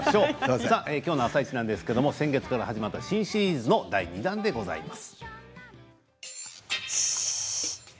きょうの「あさイチ」は先月から始まった新シリーズの第２弾です。